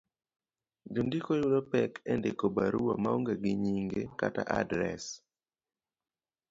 Jondiko yudo pek e ndiko barua maonge gi nyinge kata adres,